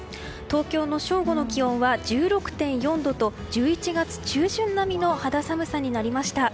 東京の正午の気温は１６．４度と１１月中旬並みの肌寒さになりました。